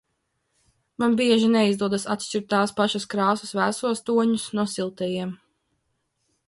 Man bieži neizdodas atšķirt tās pašas krāsas vēsos toņus no siltajiem.